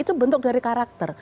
itu bentuk dari karakter